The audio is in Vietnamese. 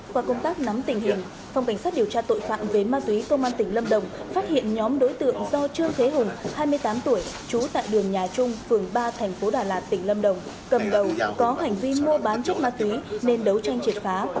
qua công tác nắm tình hình phòng cảnh sát điều tra tội phạm về ma túy công an tỉnh lâm đồng phát hiện nhóm đối tượng do trương thế hùng hai mươi tám tuổi trú tại đường nhà trung phường ba thành phố đà lạt tỉnh lâm đồng cầm đầu có hành vi mua bán chất ma túy nên đấu tranh triệt phá